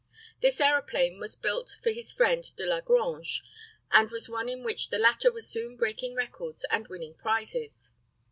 This aeroplane was built for his friend Delagrange, and was one in which the latter was soon breaking records and winning prizes.